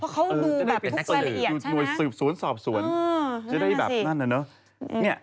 คุณค่ะ